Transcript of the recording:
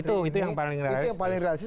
ya itu itu yang paling realistis